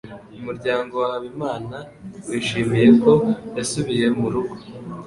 Umuryango wa Habimana wishimiye ko yasubiye mu rugo.